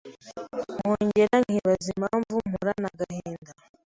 nkongera nkibaza impamvu mporana agahinda